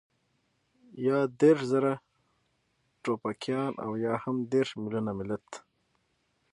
يا دېرش زره ټوپکيان او يا هم دېرش مېليونه ملت.